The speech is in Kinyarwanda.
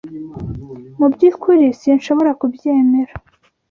Mu byukuri sinshobora kubyemera.